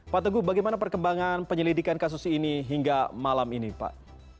pak teguh bagaimana perkembangan penyelidikan kasus ini hingga malam ini pak